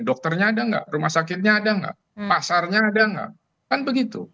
dokternya ada nggak rumah sakitnya ada nggak pasarnya ada nggak kan begitu